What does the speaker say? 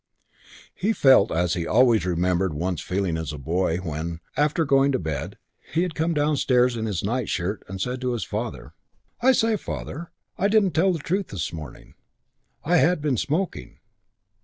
He felt as he always remembered once feeling as a boy when, after going to bed, he had come downstairs in his nightshirt and said to his father, "I say, father, I didn't tell the truth this morning. I had been smoking."